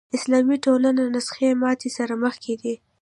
اسلامي ټولنو نسخې ماتې سره مخ کېدې